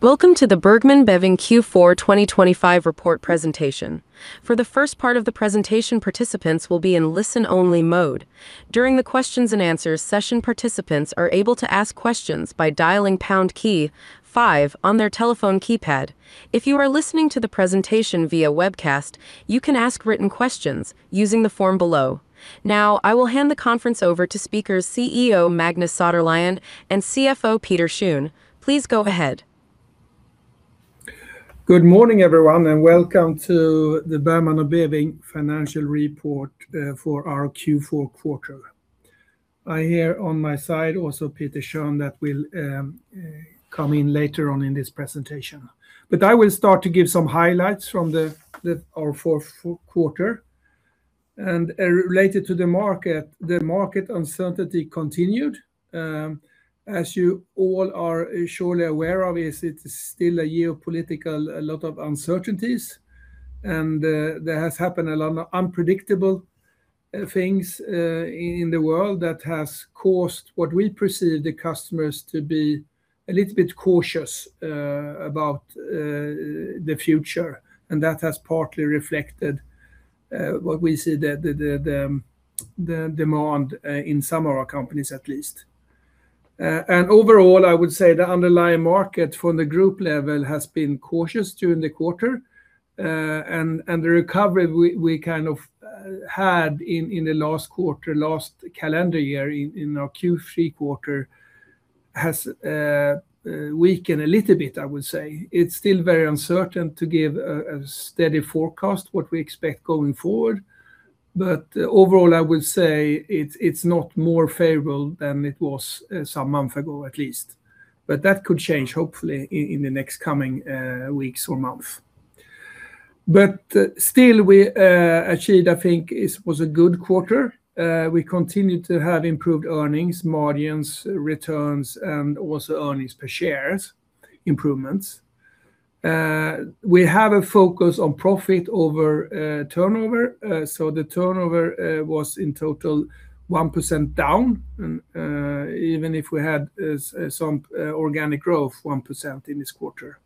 Welcome to the Bergman & Beving Q4 2025 report presentation. For the first part of the presentation, participants will be in listen-only mode. During the questions and answers session, participants are able to ask questions by dialing pound key five on their telephone keypad. If you are listening to the presentation via webcast, you can ask written questions using the form below. Now, I will hand the conference over to speakers CEO Magnus Söderlind and CFO Peter Schön. Please go ahead. Good morning, everyone, and welcome to the Bergman & Beving financial report for our Q4 quarter. I here on my side also Peter Schön that will come in later on in this presentation. I will start to give some highlights from our fourth quarter. Related to the market, the market uncertainty continued. As you all are surely aware of is it is still a geopolitical, a lot of uncertainties and there has happened a lot of unpredictable things in the world that has caused what we perceive the customers to be a little bit cautious about the future, and that has partly reflected what we see the demand in some of our companies at least. Overall, I would say the underlying market from the group level has been cautious during the quarter. The recovery we kind of had in the last quarter, last calendar year in our Q3 quarter has weakened a little bit, I would say. It's still very uncertain to give a steady forecast what we expect going forward. Overall, I would say it's not more favorable than it was some month ago at least. That could change hopefully in the next coming weeks or month. Still, we achieved, I think was a good quarter. We continued to have improved earnings, margins, returns, and also earnings per shares improvements. We have a focus on profit over turnover. The turnover was in total 1% down, even if we had some organic growth, 1% in this quarter.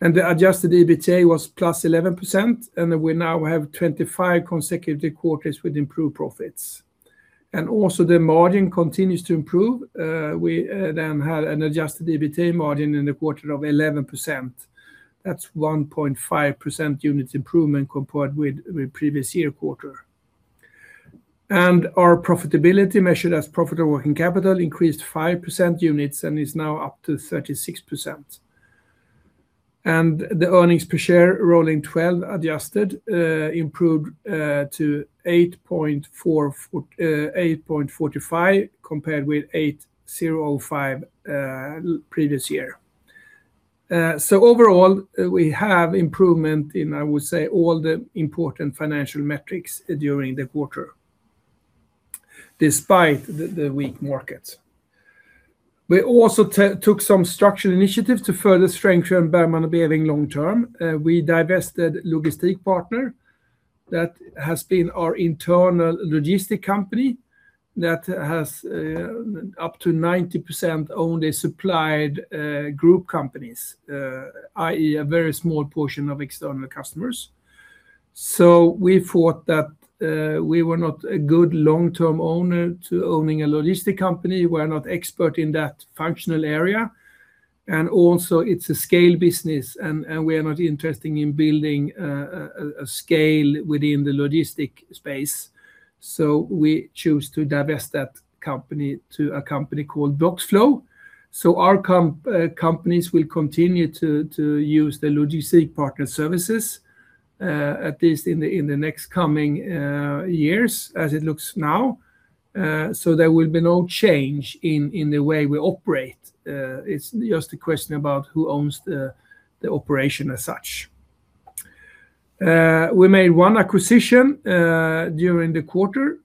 The adjusted EBITDA was +11%, and we now have 25 consecutive quarters with improved profits. Also the margin continues to improve. We then had an adjusted EBITDA margin in the quarter of 11%. That's 1.5% units improvement compared with the previous year quarter. Our profitability measured as profit on working capital increased 5% units and is now up to 36%. The earnings per share rolling 12 adjusted improved to 8.45 compared with 8.05 previous year. Overall, we have improvement in, I would say, all the important financial metrics during the quarter despite the weak markets. We also took some structural initiatives to further strengthen Bergman & Beving long-term. We divested Logistikpartner. That has been our internal logistic company that has, up to 90% only supplied group companies, i.e. a very small portion of external customers. We thought that we were not a good long-term owner to owning a logistic company. We're not expert in that functional area, and also it's a scale business, and we are not interested in building a scale within the logistic space. We choose to divest that company to a company called Boxflow. Our companies will continue to use the Logistikpartner services, at least in the next coming years as it looks now. There will be no change in the way we operate. It's just a question about who owns the operation as such. We made one acquisition during the quarter.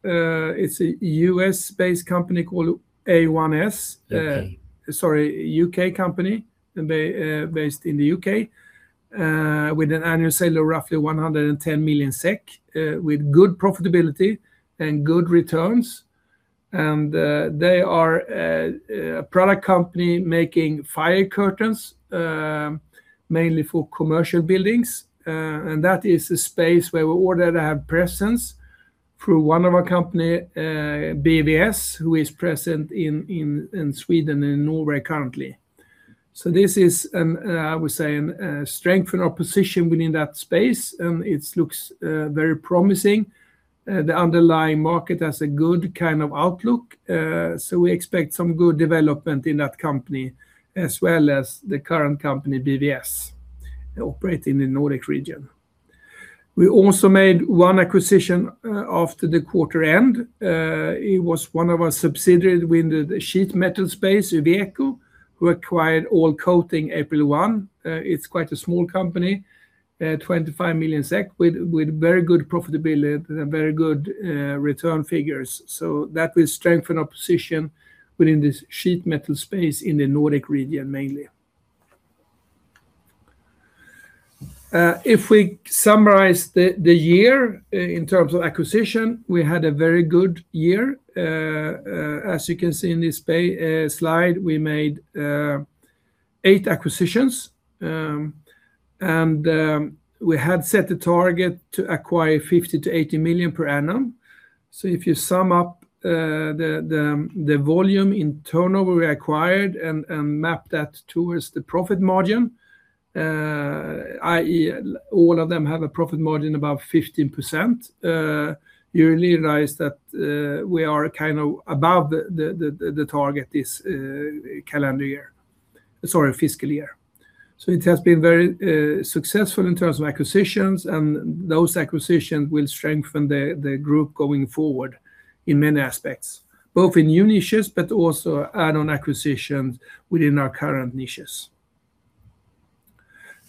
It's a U.S.-based company called A1S. Sorry, U.K. company based in the U.K., with an annual sale of roughly 110 million SEK, with good profitability and good returns. They are a product company making fire curtains, mainly for commercial buildings. That is a space where we already have presence through one of our company, BVS, who is present in Sweden and Norway currently. This is an, I would say an, strengthen our position within that space, and it looks very promising. The underlying market has a good kind of outlook, we expect some good development in that company as well as the current company, BVS, operating in the Nordic region. We also made one acquisition after the quarter end. It was one of our subsidiaries within the sheet metal space, Uveco, who acquired All Coating April 1. It's quite a small company, 25 million SEK with very good profitability and very good return figures. That will strengthen our position within the sheet metal space in the Nordic region mainly. If we summarize the year in terms of acquisition, we had a very good year. As you can see in this slide, we made eight acquisitions. We had set the target to acquire 50 million-80 million per annum. If you sum up the volume in turnover we acquired and map that towards the profit margin, i.e., all of them have a profit margin above 15%, you realize that we are kind of above the target this calendar year. Sorry, fiscal year. It has been very successful in terms of acquisitions, and those acquisitions will strengthen the group going forward in many aspects, both in new niches, but also add-on acquisitions within our current niches.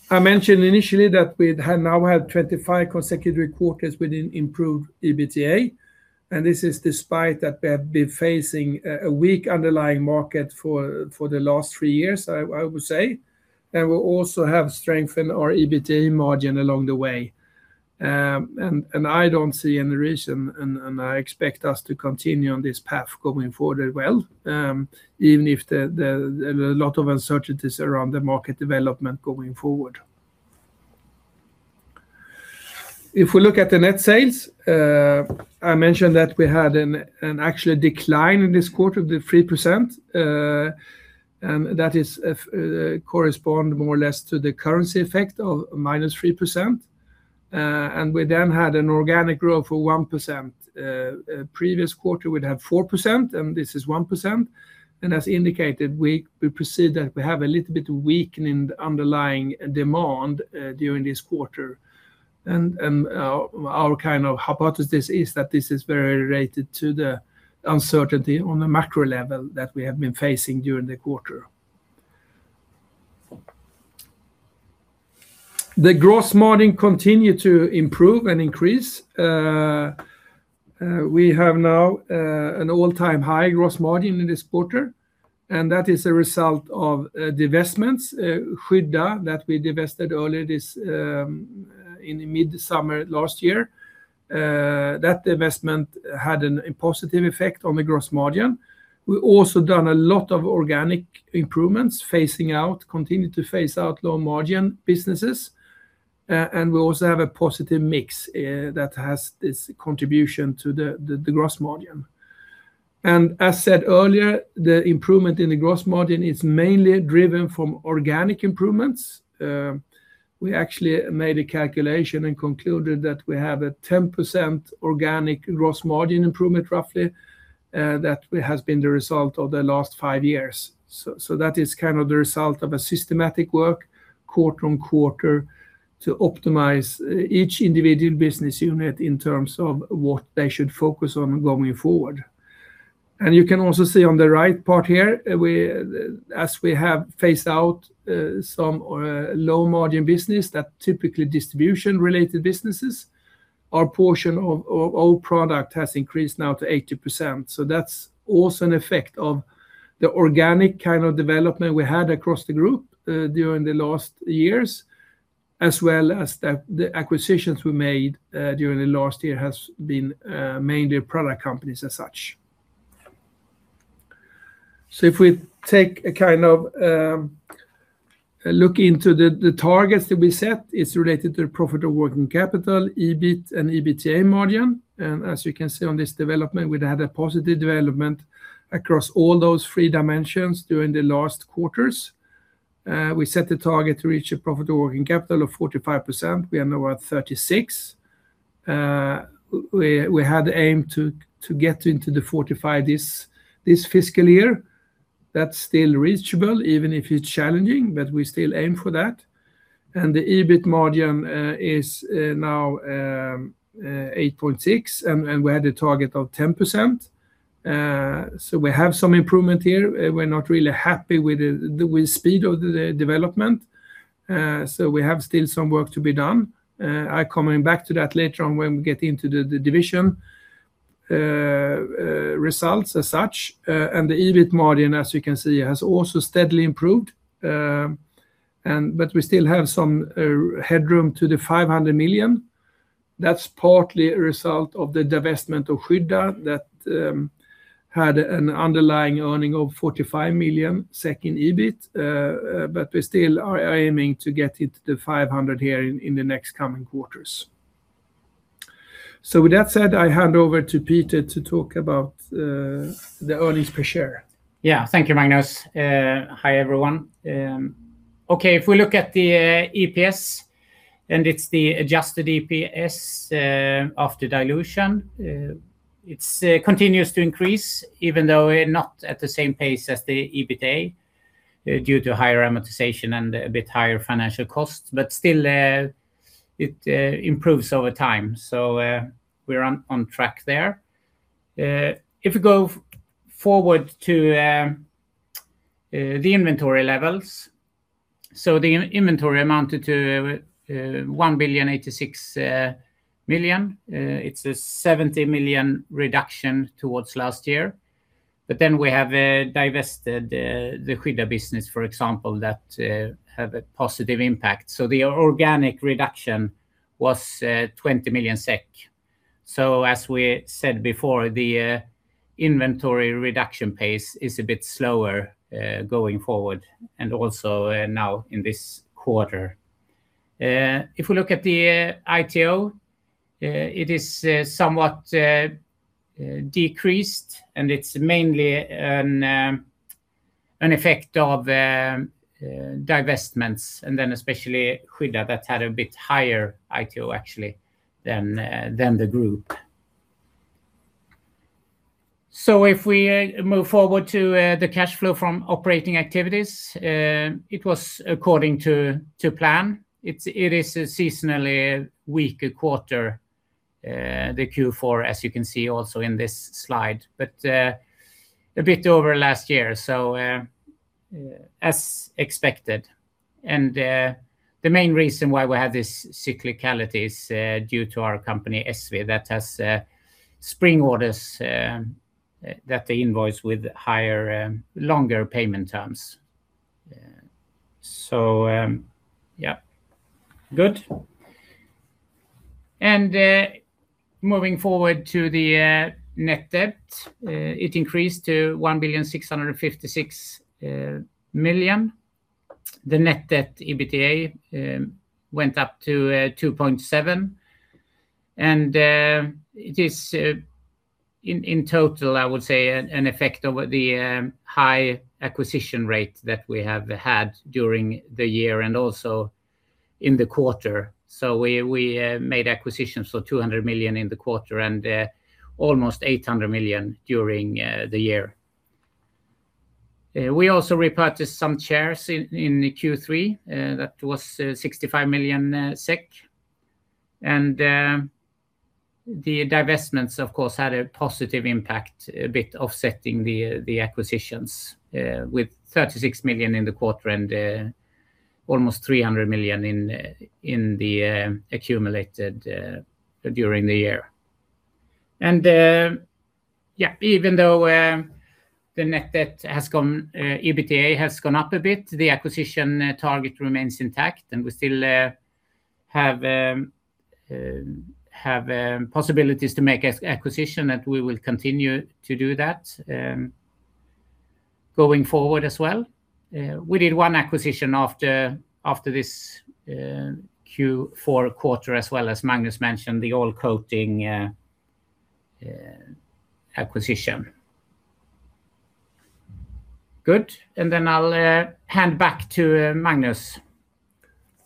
I mentioned initially that we had now had 25 consecutive quarters with an improved EBITDA, and this is despite that we have been facing a weak underlying market for the last three years, I would say, and we also have strengthened our EBITDA margin along the way. I don't see any reason and I expect us to continue on this path going forward as well, even if the lot of uncertainties around the market development going forward. If we look at the net sales, I mentioned that we had an actual decline in this quarter of the 3%, and that is correspond more or less to the currency effect of -3%, and we then had an organic growth of 1%. Previous quarter we'd had 4%, this is 1%. As indicated, we proceed that we have a little bit of weakening underlying demand during this quarter. Our kind of hypothesis is that this is very related to the uncertainty on the macro level that we have been facing during the quarter. The gross margin continue to improve and increase. We have now an all-time high gross margin in this quarter, and that is a result of divestments, Skydda, that we divested early this in mid-summer last year. That divestment had a positive effect on the gross margin. We also done a lot of organic improvements, phasing out, continue to phase out low-margin businesses. We also have a positive mix that has its contribution to the gross margin. As said earlier, the improvement in the gross margin is mainly driven from organic improvements. We actually made a calculation and concluded that we have a 10% organic gross margin improvement roughly that has been the result of the last five years. That is kind of the result of a systematic work quarter-on-quarter to optimize each individual business unit in terms of what they should focus on going forward. You can also see on the right part here, we, as we have phased out some low-margin business that typically distribution-related businesses, our portion of own product has increased now to 80%. That's also an effect of the organic kind of development we had across the group during the last years, as well as the acquisitions we made during the last year has been mainly product companies as such. If we take a kind of a look into the targets that we set, it's related to profit of working capital, EBIT and EBITDA margin. As you can see on this development, we'd had a positive development across all those three dimensions during the last quarters. We set the target to reach a profit of working capital of 45%. We are now at 36%. We had aimed to get into the 45% this fiscal year. That's still reachable, even if it's challenging, but we still aim for that. The EBIT margin is now 8.6%, and we had a target of 10%. We have some improvement here. We're not really happy with the speed of the development. We have still some work to be done. I'm coming back to that later on when we get into the division results as such. The EBIT margin, as you can see, has also steadily improved. We still have some headroom to the 500 million. That's partly a result of the divestment of Skydda that had an underlying earning of 45 million in EBIT. We still are aiming to get it to 500 million here in the next coming quarters. With that said, I hand over to Peter to talk about the earnings per share. Yeah. Thank you, Magnus. Hi, everyone. Okay, if we look at the EPS, and it's the adjusted EPS, after dilution, it continues to increase even though we're not at the same pace as the EBITDA, due to higher amortization and a bit higher financial cost, still, it improves over time. We're on track there. If we go forward to the inventory levels, the inventory amounted to 1,086 million. It's a 70 million reduction towards last year. We have divested the Skydda business, for example, that have a positive impact. The organic reduction was 20 million SEK. As we said before, the inventory reduction pace is a bit slower, going forward and also now in this quarter. If we look at the ITO, it is somewhat decreased, and it's mainly an effect of divestments and then especially Skydda that had a bit higher ITO actually than the group. If we move forward to the cash flow from operating activities, it was according to plan. It is a seasonally weaker quarter, the Q4 as you can see also in this slide, but a bit over last year, so as expected. The main reason why we have this cyclicality is due to our company ESSVE that has spring orders that they invoice with higher, longer payment terms. Good. Moving forward to the net debt, it increased to 1,656 million. The net debt EBITDA went up to 2.7. It is, in total, I would say an effect of the high acquisition rate that we have had during the year and also in the quarter. We made acquisitions for 200 million in the quarter and almost 800 million during the year. We also repurchased some shares in the Q3 that was 65 million SEK. The divestments of course had a positive impact, a bit offsetting the acquisitions with 36 million in the quarter and almost 300 million in the accumulated during the year. Yeah, even though the net debt has gone, EBITDA has gone up a bit, the acquisition target remains intact, and we still have possibilities to make acquisition, and we will continue to do that going forward as well. We did one acquisition after this Q4 quarter as well as Magnus mentioned, the All Coating acquisition. Good. I'll hand back to Magnus.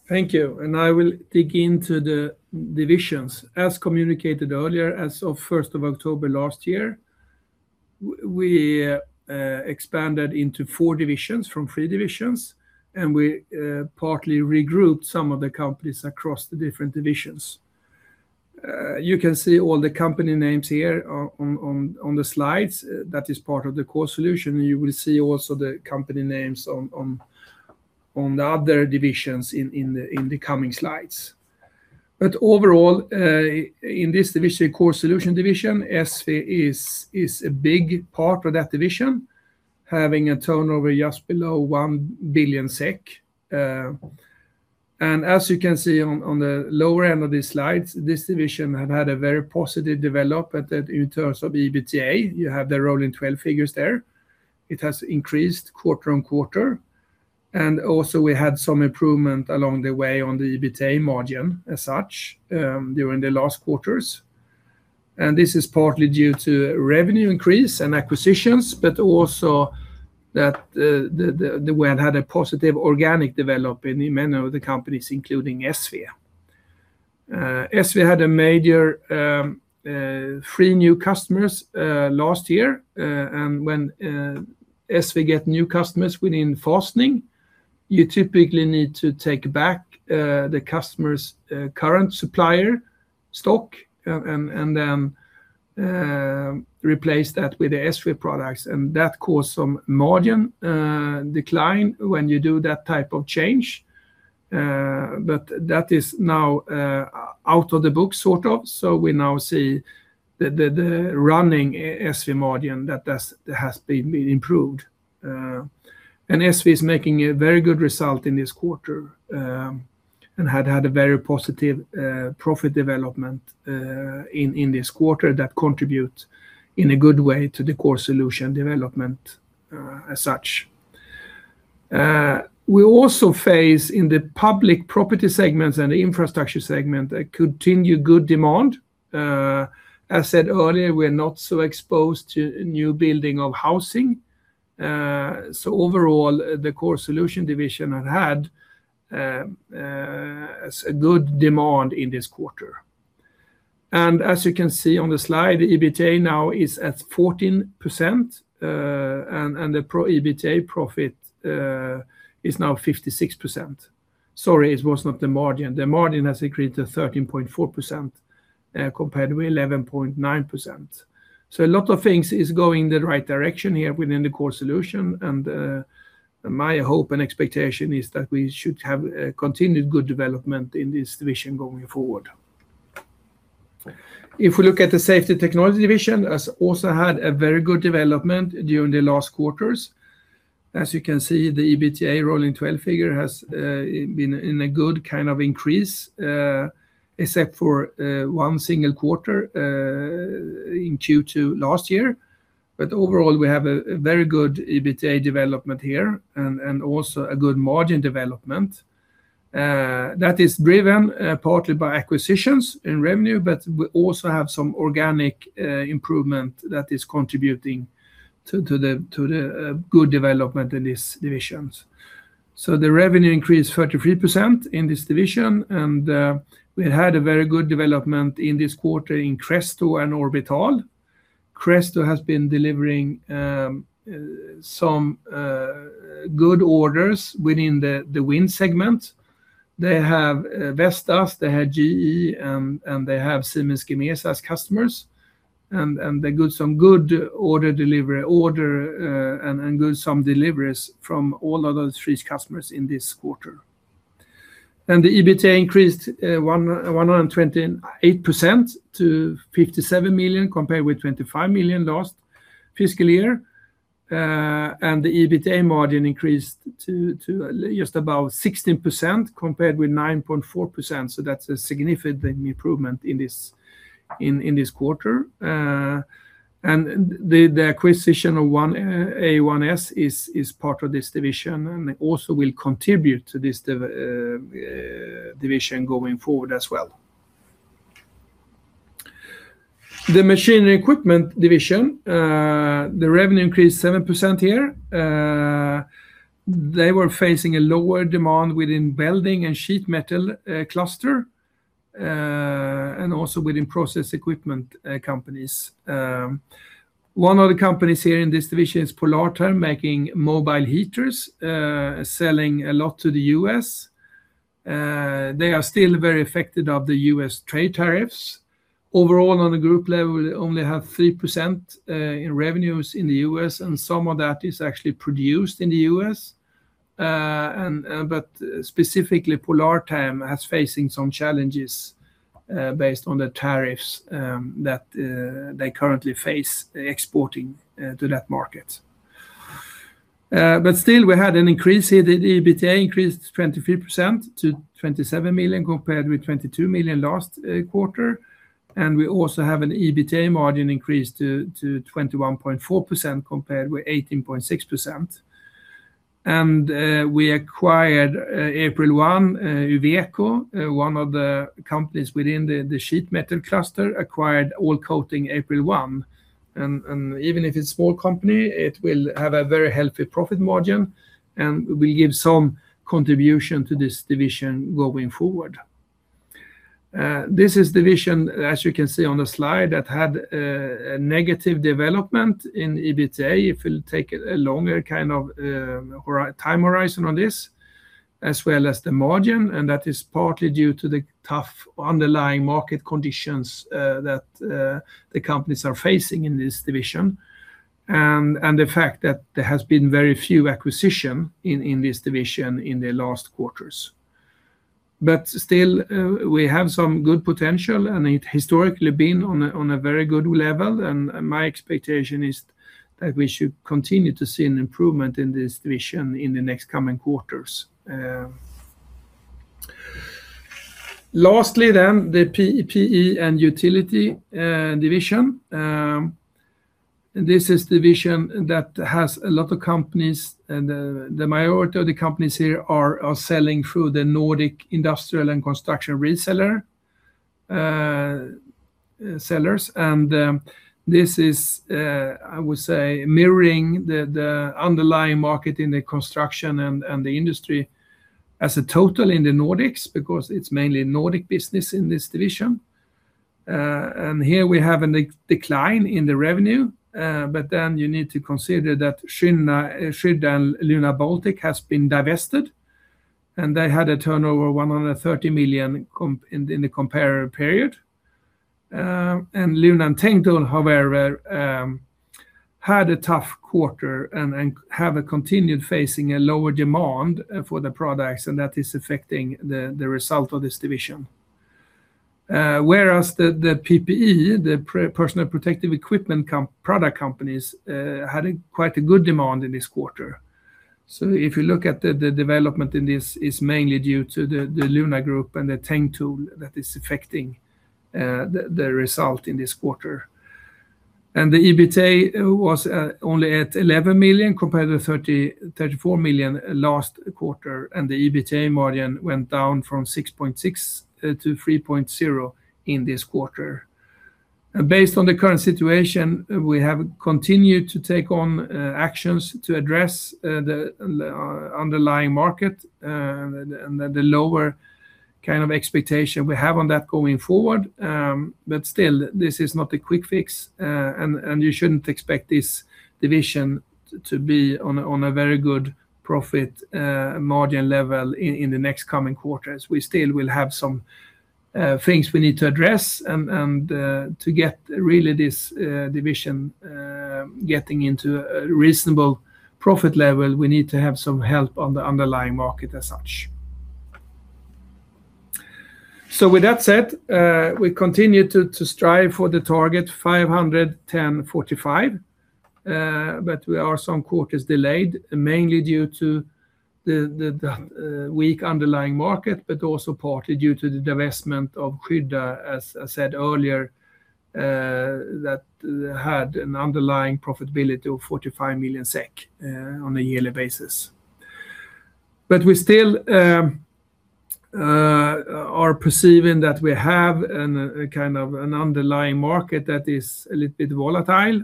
Thank you. I will dig into the divisions. As communicated earlier, as of 1st of October last year, we expanded into four divisions from three divisions, and we partly regrouped some of the companies across the different divisions. You can see all the company names here on the slides. That is part of the Core Solutions. You will see also the company names on the other divisions in the coming slides. Overall, in this division, Core Solutions division, ESSVE is a big part of that division, having a turnover just below 1 billion SEK. As you can see on the lower end of these slides, this division have had a very positive development in terms of EBITDA. You have the rolling 12 figures there. It has increased quarter-on-quarter. Also, we had some improvement along the way on the EBITDA margin as such during the last quarters. This is partly due to revenue increase and acquisitions, but also that the we have had a positive organic development in many of the companies, including ESSVE. ESSVE had a major three new customers last year. When ESSVE get new customers within fastening, you typically need to take back the customer's current supplier stock and replace that with the ESSVE products, and that caused some margin decline when you do that type of change. But that is now out of the books sort of. We now see the running ESSVE margin that has been improved. ESSVE is making a very good result in this quarter, had a very positive profit development in this quarter that contribute in a good way to the Core Solutions development as such. We also face in the public property segments and infrastructure segment a continued good demand. As said earlier, we're not so exposed to new building of housing. Overall, the Core Solutions division have had a good demand in this quarter. As you can see on the slide, the EBITDA now is at 14%, and the pro EBITDA profit is now 56%. Sorry, it was not the margin. The margin has increased to 13.4% compared to 11.9%. A lot of things is going the right direction here within the Core Solutions, and my hope and expectation is that we should have a continued good development in this division going forward. If we look at the Safety Technology division has also had a very good development during the last quarters. As you can see, the EBITDA rolling 12 figure has been in a good kind of increase, except for one single quarter in Q2 last year. Overall, we have a very good EBITDA development here and also a good margin development. That is driven partly by acquisitions in revenue, but we also have some organic improvement that is contributing to the good development in these divisions. The revenue increased 33% in this division, and we had a very good development in this quarter in Cresto and Orbital. Cresto has been delivering some good orders within the wind segment. They have Vestas, they have GE, and they have Siemens Gamesa as customers, and they got some good order delivery and good some deliveries from all of those three customers in this quarter. The EBITDA increased 128% to 57 million compared with 25 million last fiscal year. The EBITDA margin increased to just about 16% compared with 9.4%, that's a significant improvement in this quarter. The acquisition of A1S is part of this division and also will contribute to this division going forward as well. The Machinery & Equipment division, the revenue increased 7% here. They were facing a lower demand within welding and sheet metal cluster and also within process equipment companies. One of the companies here in this division is Polartherm making mobile heaters, selling a lot to the U.S. They are still very affected of the U.S. trade tariffs. Overall, on a group level, they only have 3% in revenues in the U.S., and some of that is actually produced in the U.S. Specifically, Polartherm has facing some challenges based on the tariffs that they currently face exporting to that market. Still, we had an increase here. The EBITDA increased 23% to 27 million compared with 22 million last quarter. We also have an EBITDA margin increase to 21.4% compared with 18.6%. We acquired April 1, Uveco, one of the companies within the sheet metal cluster acquired All Coating April 1. Even if it's small company, it will have a very healthy profit margin and will give some contribution to this division going forward. This is division, as you can see on the slide, that had a negative development in EBITDA. It will take a longer kind of time horizon on this, as well as the margin, and that is partly due to the tough underlying market conditions that the companies are facing in this division, and the fact that there has been very few acquisition in this division in the last quarters. Still, we have some good potential, and it historically been on a very good level, and my expectation is that we should continue to see an improvement in this division in the next coming quarters. Lastly then, the PPE & Utilities division. This is division that has a lot of companies, and the majority of the companies here are selling through the Nordic industrial and construction reseller sellers. This is, I would say, mirroring the underlying market in the construction and the industry as a total in the Nordics because it's mainly Nordic business in this division. Here we have a decline in the revenue, you need to consider that Skydda and Luna Baltikum has been divested, and they had a turnover 130 million in the comparative period. Luna and Teng Tools, however, had a tough quarter and have continued facing a lower demand for the products, that is affecting the result of this division. Whereas the PPE, personal protective equipment product companies, had quite a good demand in this quarter. If you look at the development in this, it's mainly due to the Luna Group and the Teng Tools that is affecting the result in this quarter. The EBITDA was only at 11 million compared to 34 million last quarter, and the EBITDA margin went down from 6.6% to 3.0% in this quarter. Based on the current situation, we have continued to take on actions to address the underlying market and the lower kind of expectation we have on that going forward. Still, this is not a quick fix, and you shouldn't expect this division to be on a very good profit margin level in the next coming quarters. We still will have some things we need to address and to get really this division into a reasonable profit level, we need to have some help on the underlying market as such. With that said, we continue to strive for the target 510 45. We are some quarters delayed, mainly due to the weak underlying market, also partly due to the divestment of Skydda, as I said earlier, that had an underlying profitability of 45 million SEK on a yearly basis. We still are perceiving that we have a kind of an underlying market that is a little bit volatile.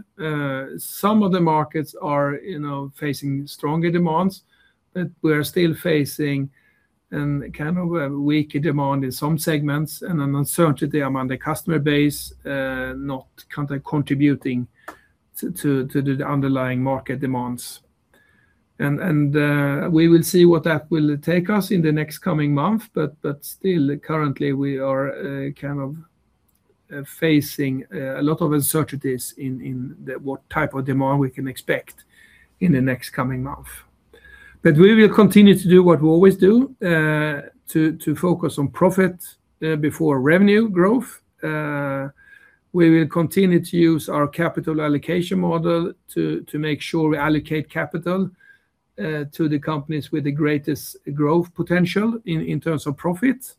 Some of the markets are, you know, facing stronger demands, but we are still facing kind of a weaker demand in some segments and an uncertainty among the customer base, not contributing to the underlying market demands. We will see what that will take us in the next coming month. Still currently we are kind of facing a lot of uncertainties in the what type of demand we can expect in the next coming month. We will continue to do what we always do to focus on profit before revenue growth. We will continue to use our capital allocation model to make sure we allocate capital to the companies with the greatest growth potential in terms of profit.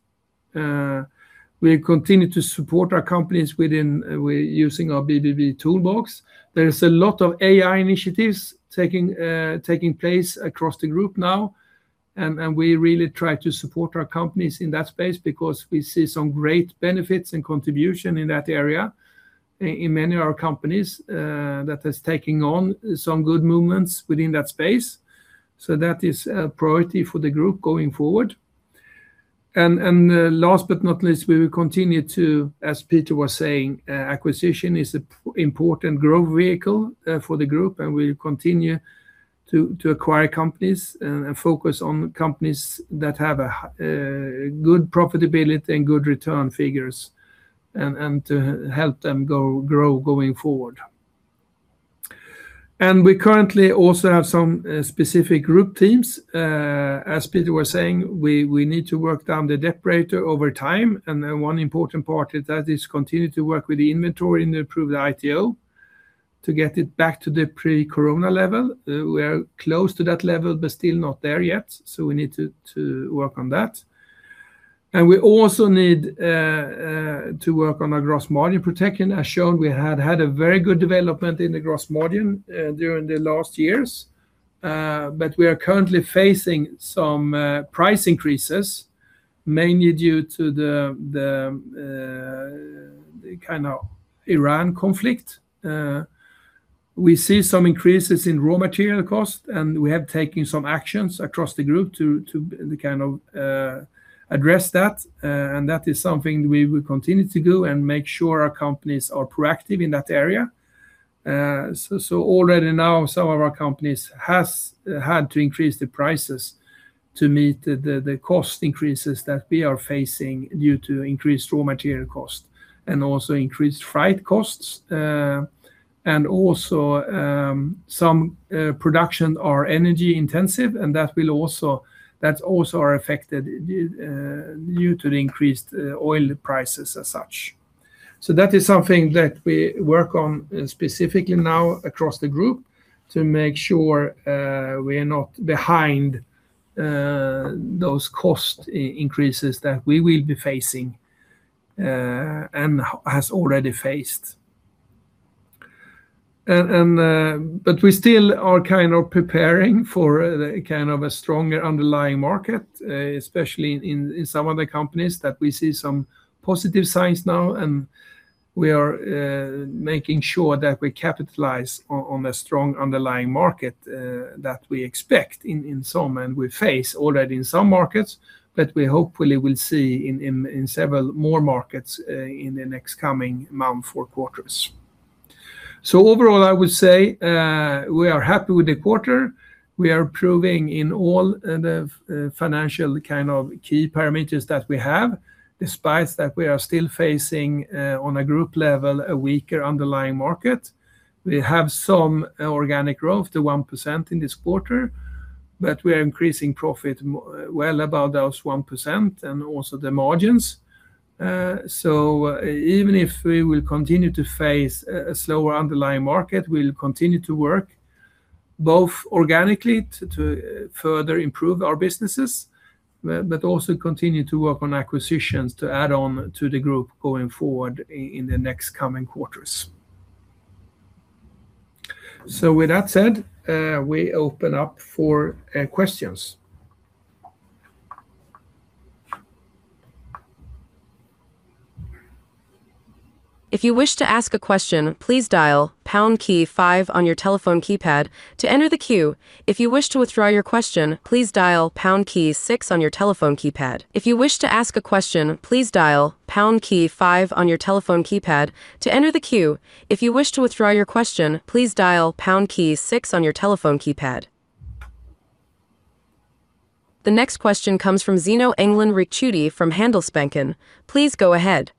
We continue to support our companies using our B&B toolbox. There is a lot of AI initiatives taking place across the group now, and we really try to support our companies in that space because we see some great benefits and contribution in that area in many of our companies that is taking on some good movements within that space. That is a priority for the group going forward. Last but not least, we will continue to, as Peter was saying, acquisition is an important growth vehicle for the group, and we'll continue to acquire companies and focus on companies that have a good profitability and good return figures and to help them grow going forward. We currently also have some specific group teams. As Peter was saying, we need to work down the debt over time. One important part of that is continue to work with the inventory and improve the ITO to get it back to the pre-corona level. We are close to that level, but still not there yet. We need to work on that. We also need to work on our gross margin protection. As shown, we had a very good development in the gross margin during the last years. We are currently facing some price increases, mainly due to the kind of Iran conflict. We see some increases in raw material cost. We have taken some actions across the group to kind of address that. That is something we will continue to do and make sure our companies are proactive in that area. Already now some of our companies has had to increase the prices to meet the cost increases that we are facing due to increased raw material cost and also increased freight costs. Also, some production are energy intensive, that also are affected due to the increased oil prices as such. That is something that we work on specifically now across the group to make sure we are not behind those cost increases that we will be facing and has already faced. We still are preparing for a stronger underlying market, especially in some of the companies that we see some positive signs now, and we are making sure that we capitalize on a strong underlying market that we expect in some and we face already in some markets that we hopefully will see in several more markets in the next coming month or quarters. Overall, I would say, we are happy with the quarter. We are improving in all the financial key parameters that we have, despite that we are still facing on a group level, a weaker underlying market. We have some organic growth to 1% in this quarter, but we are increasing profit well above those 1% and also the margins. Even if we will continue to face a slower underlying market, we will continue to work both organically to further improve our businesses, but also continue to work on acquisitions to add on to the group going forward in the next coming quarters. With that said, we open up for questions. If you wish to ask a question, please dial pound key five on your telephone keypad to enter the queue. If you wish to withdraw your question, please dial pound key six on your telephone keypad. The next question comes from Zino Engdalen Ricciuti from Handelsbanken. Please go ahead.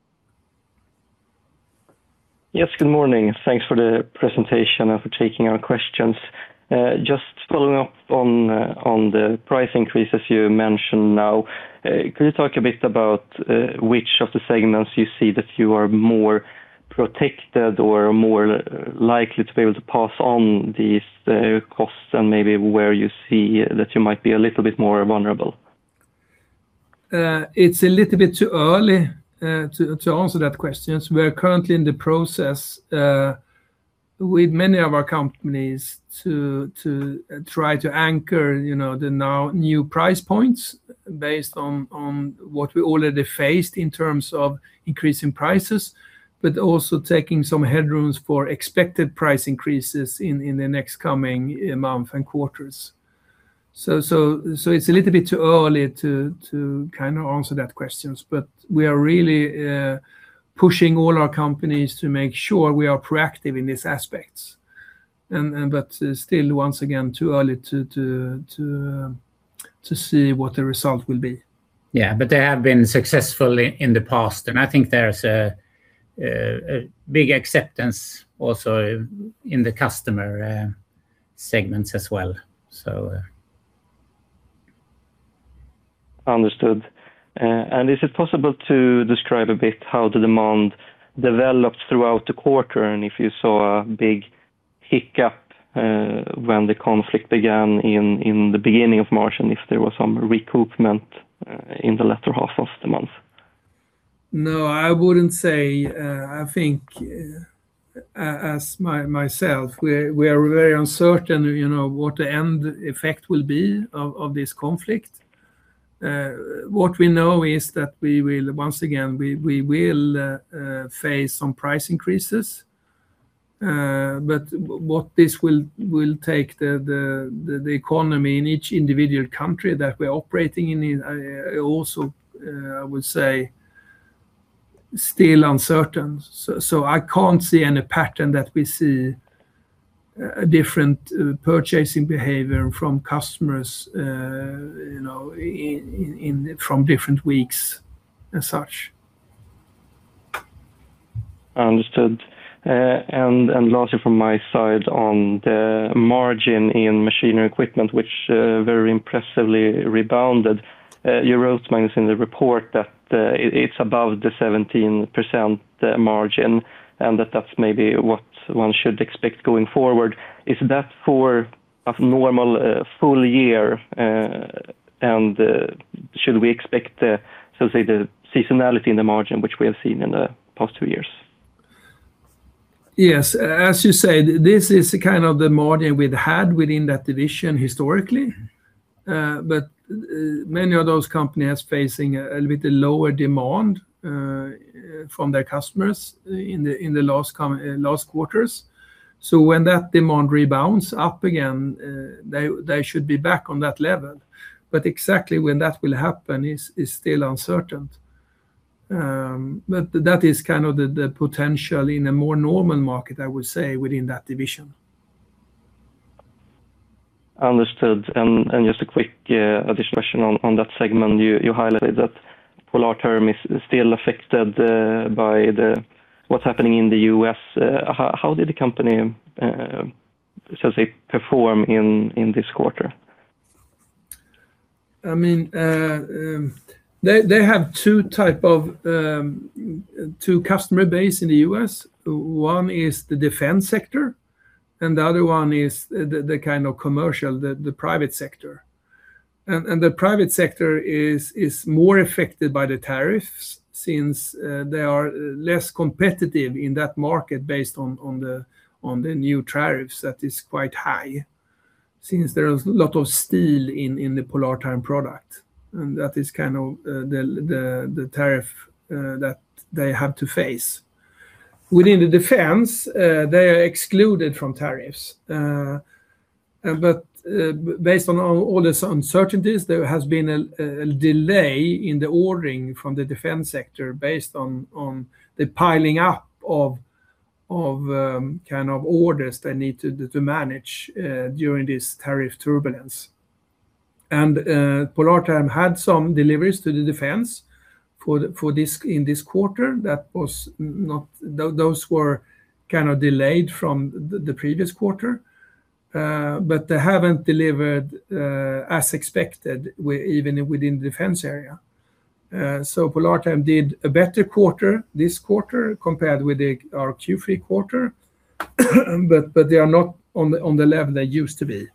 Yes, good morning, and thanks for the presentation and for taking our questions. Just following up on the price increases you mentioned now, could you talk a bit about which of the segments you see that you are more protected or more likely to be able to pass on these costs and maybe where you see that you might be a little bit more vulnerable? It's a little bit too early to answer that question. We are currently in the process with many of our companies to try to anchor, you know, the now new price points based on what we already faced in terms of increasing prices, but also taking some headrooms for expected price increases in the next coming month and quarters. It's a little bit too early to kind of answer that questions, but we are really pushing all our companies to make sure we are proactive in these aspects. Still once again, too early to see what the result will be. Yeah. They have been successful in the past, and I think there's a big acceptance also in the customer segments as well. Understood. Is it possible to describe a bit how the demand developed throughout the quarter, and if you saw a big hiccup, when the conflict began in the beginning of March and if there was some recoupment, in the latter half of the month? No, I wouldn't say, I think, as myself, we are very uncertain, you know, what the end effect will be of this conflict. What we know is that we will, once again, we will face some price increases. What this will take the economy in each individual country that we're operating in, also, I would say still uncertain. I can't see any pattern that we see different purchasing behavior from customers, you know, from different weeks and such. Understood. Lastly from my side on the margin in Machinery & Equipment, which very impressively rebounded, you wrote, Magnus, in the report that, it's above the 17% margin, and that that's maybe what one should expect going forward. Is that for a normal, full year? Should we expect the, so say, the seasonality in the margin, which we have seen in the past two years? Yes. As you said, this is kind of the margin we'd had within that division historically. Many of those companies are facing a little bit lower demand from their customers in the last quarters. When that demand rebounds up again, they should be back on that level. Exactly when that will happen is still uncertain. That is kind of the potential in a more normal market, I would say, within that division. Understood. Just a quick additional question on that segment. You highlighted that Polartherm is still affected by what's happening in the U.S. How did the company, shall say, perform in this quarter? I mean, they have two type of two customer base in the U.S. One is the defense sector, and the other one is the kind of commercial, the private sector. The private sector is more affected by the tariffs since they are less competitive in that market based on the new tariffs that is quite high since there is a lot of steel in the Polartherm product, and that is kind of the tariff that they have to face. Within the defense, they are excluded from tariffs. Based on all these uncertainties, there has been a delay in the ordering from the defense sector based on the piling up of kind of orders they need to manage during this tariff turbulence. Polartherm had some deliveries to the defense for this in this quarter that was not those were kind of delayed from the previous quarter. They haven't delivered as expected even within the defense area. Polartherm did a better quarter this quarter compared with our Q3 quarter, but they are not on the level they used to be.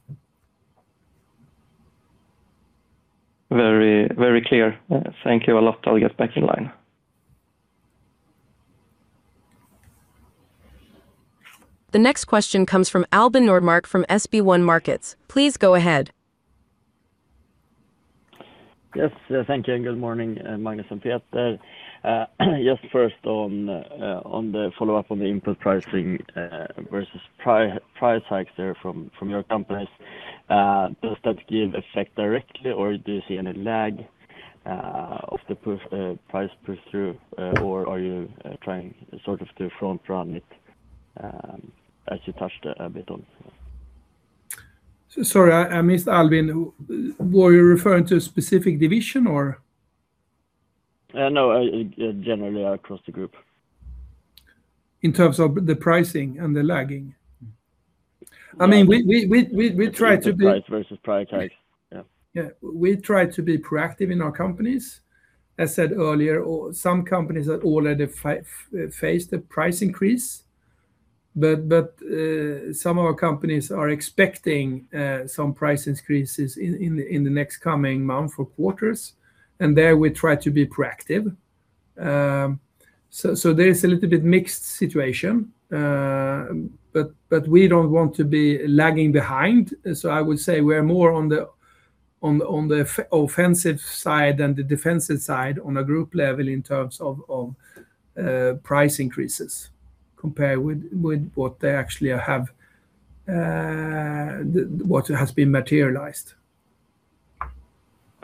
Very clear. Thank you a lot. I'll get back in line. The next question comes from Albin Nordmark from SB1 Markets. Please go ahead. Yes. Thank you, good morning, Magnus and Peter. Just first on the follow-up on the input pricing versus price hikes there from your companies. Does that give effect directly, or do you see any lag of the push, price push through? Are you trying sort of to front run it? Sorry, I missed Albin. Were you referring to a specific division or? No, generally across the group. In terms of the pricing and the lagging? I mean, we. The price versus prioritize. Yeah. Yeah. We try to be proactive in our companies. As said earlier, some companies have already faced the price increase, but some of our companies are expecting some price increases in the next coming month or quarters, and there we try to be proactive. There is a little bit mixed situation. We don't want to be lagging behind. I would say we're more on the offensive side than the defensive side on a group level in terms of price increases compared with what they actually have, what has been materialized.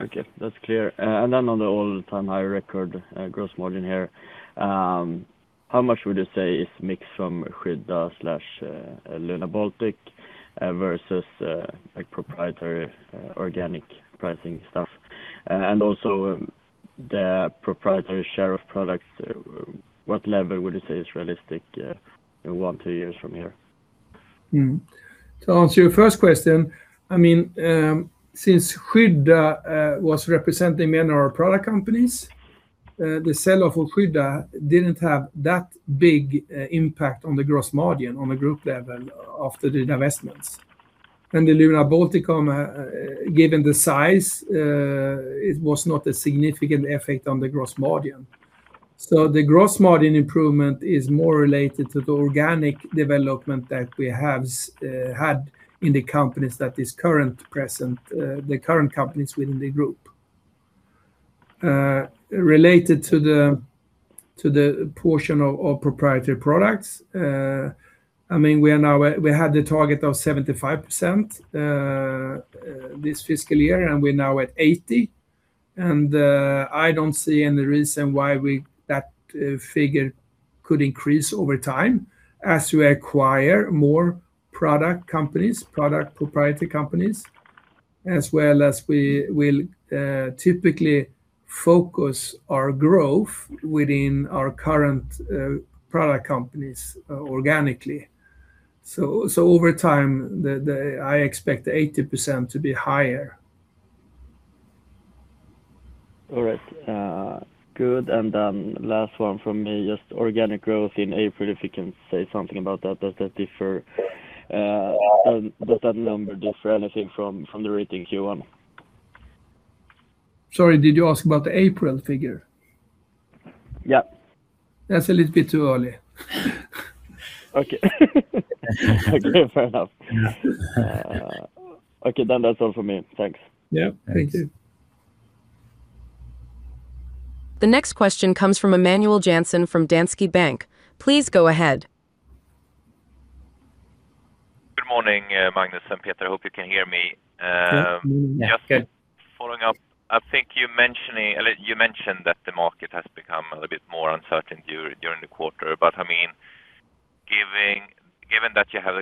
Okay. That's clear. On the all-time high record gross margin here, how much would you say is mixed from Skydda/Luna Baltikum versus like proprietary organic pricing stuff? Also the proprietary share of products, what level would you say is realistic in one, two years from here? To answer your first question, I mean, since Skydda was representing many of our product companies, the sell-off of Skydda didn't have that big impact on the gross margin on the group level after the divestments. The Luna Baltikum, given the size, it was not a significant effect on the gross margin. The gross margin improvement is more related to the organic development that we have had in the companies that is current present, the current companies within the group. Related to the portion of proprietary products, I mean, we had the target of 75% this fiscal year, and we're now at 80%, and I don't see any reason why that figure could increase over time as we acquire more product companies, product proprietary companies, as well as we will typically focus our growth within our current product companies organically. Over time, I expect the 80% to be higher. All right. good. Last one from me, just organic growth in April, if you can say something about that. Does that differ, does that number differ anything from the rating Q1? Sorry, did you ask about the April figure? Yeah. That's a little bit too early. Okay. Okay, fair enough. Okay, that's all for me. Thanks. Yeah. Thank you. The next question comes from Emanuel Jansson from Danske Bank. Please go ahead. Good morning, Magnus and Peter. Hope you can hear me. Yeah. Good. Just following up, I think you mentioning You mentioned that the market has become a bit more uncertain during the quarter. I mean, given that you have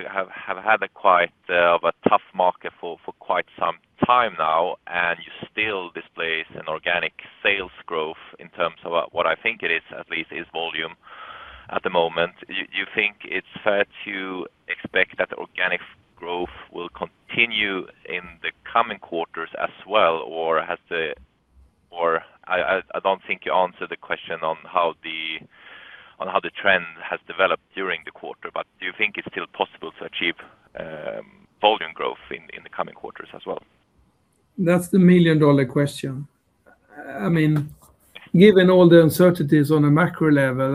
had a quite of a tough market for quite some time now, and you still displays an organic sales growth in terms of what I think it is, at least is volume at the moment. Do you think it's fair to expect that organic growth will continue in the coming quarters as well? I don't think you answered the question on how the trend has developed during the quarter, but do you think it's still possible to achieve volume growth in the coming quarters as well? That's the million-dollar question. I mean, given all the uncertainties on a macro level,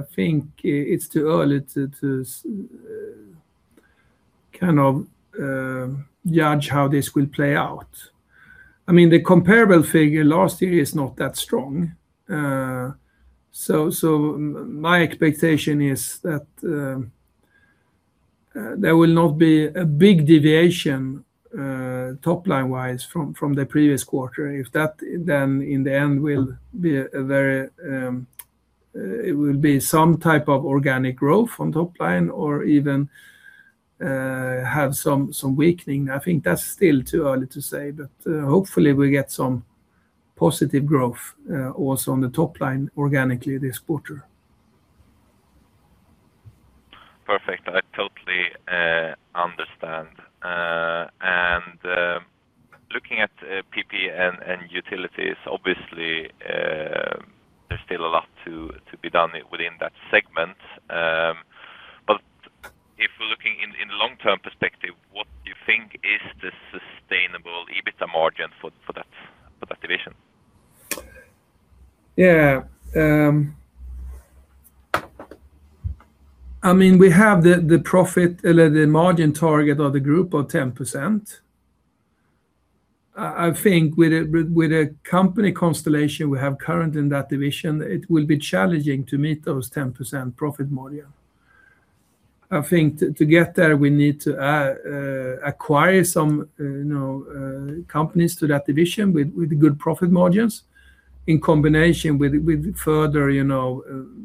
I think it's too early to kind of judge how this will play out. I mean, the comparable figure last year is not that strong. My expectation is that there will not be a big deviation top line-wise from the previous quarter. If that in the end will be some type of organic growth on top line or even have some weakening. I think that's still too early to say, but hopefully we get some positive growth also on the top line organically this quarter. Perfect. I totally understand. Looking at PPE & Utilities, obviously, there's still a lot to be done within that segment. If we're looking in long-term perspective, what do you think is the sustainable EBITDA margin for that division? Yeah. I mean, we have the profit, the margin target of the group of 10%. I think with a company constellation we have current in that division, it will be challenging to meet those 10% profit margin. I think to get there, we need to acquire some, you know, companies to that division with good profit margins in combination with further, you know,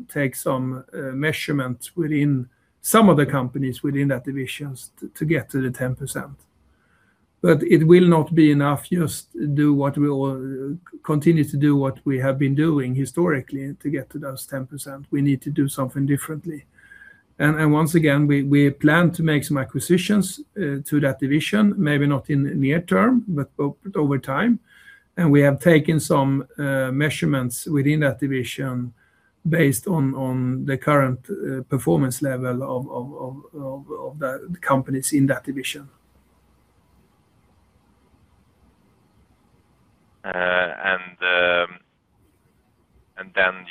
take some measurements within some of the companies within that divisions to get to the 10%. It will not be enough just do what we all continue to do what we have been doing historically to get to those 10%. We need to do something differently. Once again, we plan to make some acquisitions to that division, maybe not in the near-term, but over time. We have taken some measurements within that division based on the current performance level of the companies in that division.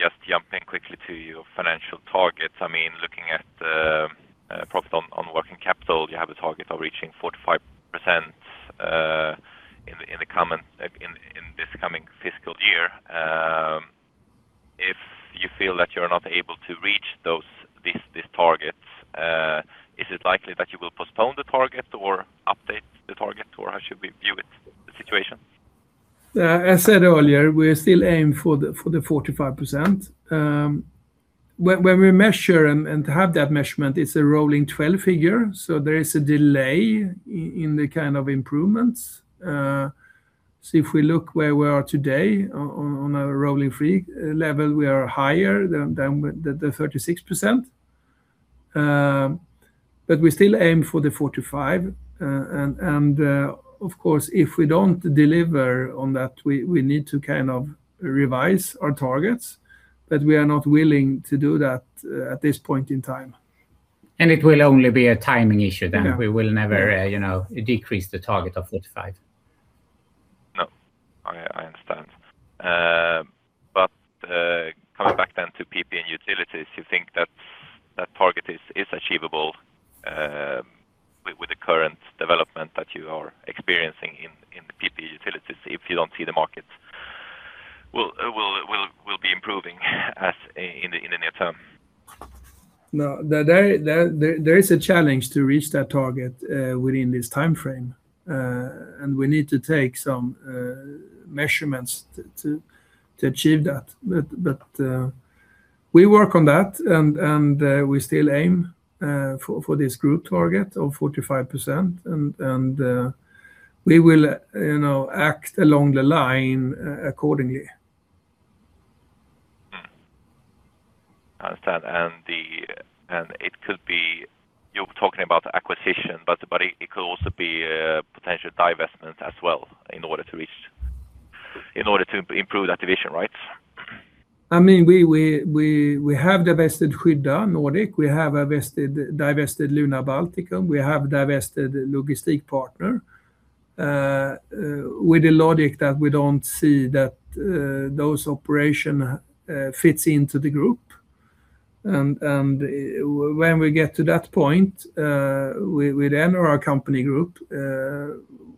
Just jumping quickly to your financial targets. I mean, looking at the profit on working capital, you have a target of reaching 45% in this coming fiscal year. If you feel that you're not able to reach these targets, is it likely that you will postpone the target or update the target? How should we view it, the situation? As said earlier, we still aim for the 45%. When we measure and have that measurement, it's a rolling 12 figure, so there is a delay in the kind of improvements. If we look where we are today on a rolling figure level, we are higher than the 36%. We still aim for the 45%. Of course, if we don't deliver on that, we need to kind of revise our targets. We are not willing to do that at this point in time. It will only be a timing issue then. Yeah. We will never, you know, decrease the target of 45%. I understand. Coming back then to PPE & Utilities, you think that target is achievable with the current development that you are experiencing in the PPE & Utilities if you don't see the market will be improving in the near-term? No. There is a challenge to reach that target within this timeframe. We need to take some measurements to achieve that. But we work on that and we still aim for this group target of 45%. We will, you know, act along the line accordingly. Understand. It could be, you're talking about acquisition, but it could also be a potential divestment as well in order to improve that division, right? I mean, we have divested Skydda Nordic. We have divested Luna Baltikum. We have divested Logistikpartner with the logic that we don't see that those operation fits into the group. When we get to that point within our company group,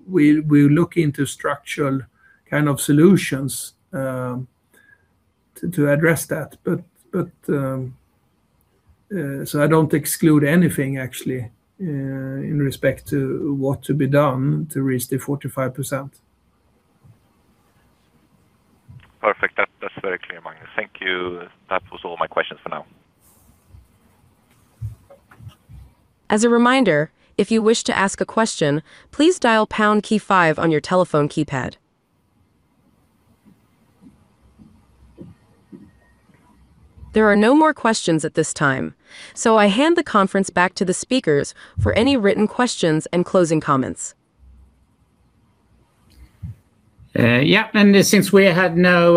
we'll look into structural kind of solutions to address that. I don't exclude anything actually in respect to what to be done to reach the 45%. Perfect. That's very clear, Magnus. Thank you. That was all my questions for now. As a reminder, if you wish to ask a question, please dial pound key five on your telephone keypad. There are no more questions at this time, so I hand the conference back to the speakers for any written questions and closing comments. Yeah, since we had no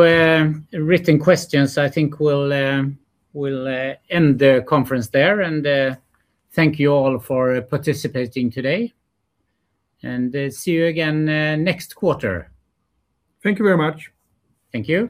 written questions, I think we'll end the conference there. Thank you all for participating today, and see you again next quarter. Thank you very much. Thank you.